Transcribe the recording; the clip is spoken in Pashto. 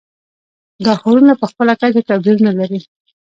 دا ښارونه په خپله کچه توپیرونه لري.